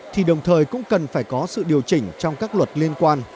thì đồng thời cũng cần phải có sự điều chỉnh trong các luật liên quan